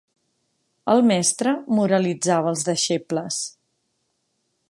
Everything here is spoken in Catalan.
El mestre moralitzava els deixebles.